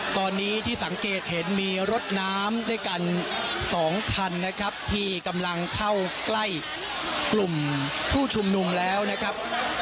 ตอนนี้ที่สังเกตเห็นมีรถน้ำด้วยกัน๒คันนะครับที่กำลังเข้าใกล้กลุ่มผู้ชุมนุมแล้วนะครับ